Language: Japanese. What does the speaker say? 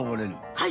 はい。